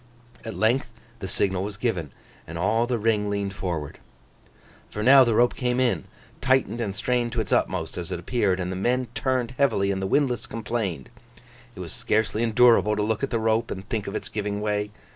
At length the signal was given, and all the ring leaned forward. For, now, the rope came in, tightened and strained to its utmost as it appeared, and the men turned heavily, and the windlass complained. It was scarcely endurable to look at the rope, and think of its giving way.